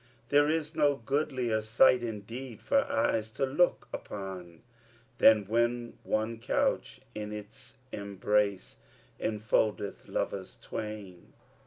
There is no goodlier sight, indeed, for eyes to look upon, Than when one couch in its embrace enfoldeth lovers twain.